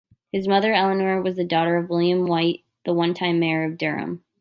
His mother, Elanor, was the daughter of William Wight, the one-time mayor of Durham.